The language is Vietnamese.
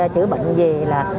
chữa bệnh gì là